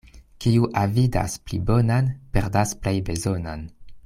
Kiu avidas pli bonan, perdas plej bezonan.